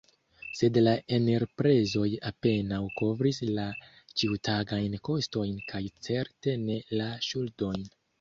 Sed la enirprezoj apenaŭ kovris la ĉiutagajn kostojn kaj certe ne la ŝuldojn.